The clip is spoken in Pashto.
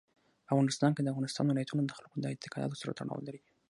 په افغانستان کې د افغانستان ولايتونه د خلکو د اعتقاداتو سره تړاو لري.